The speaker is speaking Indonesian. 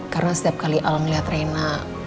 karena setiap kali al melihat rina